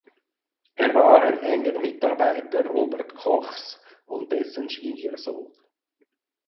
Er war ein enger Mitarbeiter Robert Kochs und dessen Schwiegersohn.